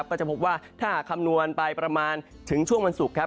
ก็จะพบว่าถ้าหากคำนวณไปประมาณถึงช่วงวันศุกร์ครับ